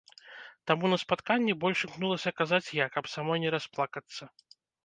Таму на спатканні больш імкнулася казаць я, каб самой не расплакацца.